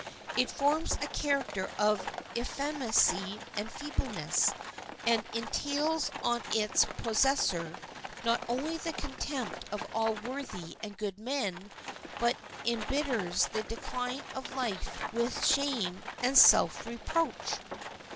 It forms a character of effeminacy and feebleness, and entails on its possessor, not only the contempt of all worthy and good men, but embitters the decline of life with shame and self reproach.